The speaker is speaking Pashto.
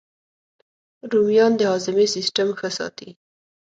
رومیان د هاضمې سیسټم ښه ساتي